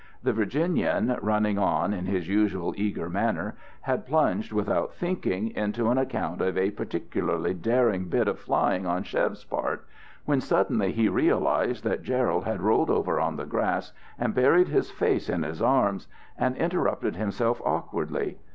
The Virginian, running on in his usual eager manner, had plunged without thinking into an account of a particularly daring bit of flying on Chev's part, when suddenly he realized that Gerald had rolled over on the grass and buried his face in his arms, and interrupted himself awkwardly.